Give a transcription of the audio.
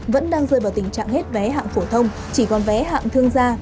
vẫn đang rơi vào tình trạng hết vé hạng phổ thông chỉ còn vé hạng thương gia